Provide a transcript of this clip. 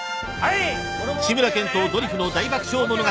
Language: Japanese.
［『志村けんとドリフの大爆笑物語』］